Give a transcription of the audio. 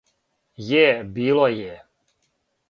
Је, било је.